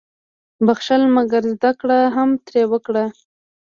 • بخښل، مګر زده کړه هم ترې وکړه.